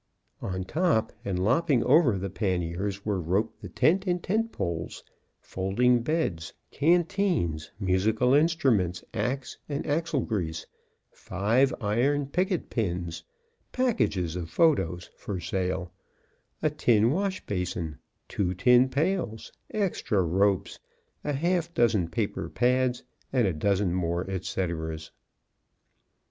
On top and lopping over the panniers were roped the tent and tent poles, folding beds, canteens, musical instruments, axe, and axle grease, five iron picket pins, packages of photos (for sale), a tin wash basin, two tin pails, extra ropes, a half dozen paper pads, and a dozen more et ceteras.